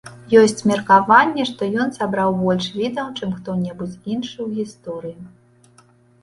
Ёсць меркаванне, што ён сабраў больш відаў, чым хто-небудзь іншы ў гісторыі.